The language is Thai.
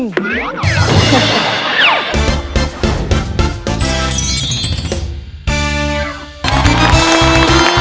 เวลาราดอย่างไรก็คิดหนูช่วย